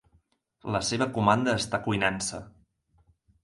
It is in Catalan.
La seva comanda està cuinant-se.